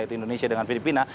yaitu indonesia dengan filipina